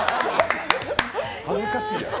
恥ずかしいやろ。